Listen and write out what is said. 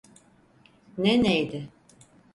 Ne neydi?